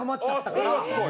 それはすごい。